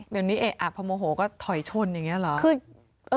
เดี๋ยวนี้เอะอะพอโมโหก็ถอยชนอย่างนี้เหรอ